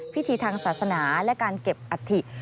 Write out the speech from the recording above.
พิธีทางศาสนาและการเก็บอัฐิ